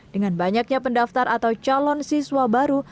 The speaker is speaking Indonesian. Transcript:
dengan banyaknya pendaftar atau calon siswa baru